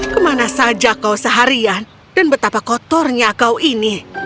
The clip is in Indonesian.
kemana saja kau seharian dan betapa kotornya kau ini